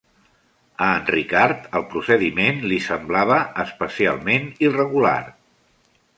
A en Ricard el procediment li semblava especialment irregular.